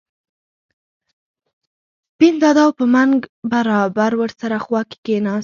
سپین دادا او په منګ برابر ور سره خوا کې کېناست.